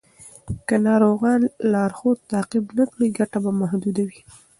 که ناروغان لارښود تعقیب نه کړي، ګټه به محدوده وي.